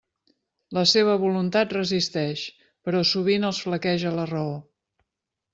La seva voluntat resisteix, però sovint els flaqueja la raó.